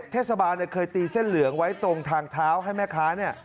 เทศบาลเคยตีเส้นเหลืองไว้ตรงทางเท้าให้แม่ค้าเนี่ย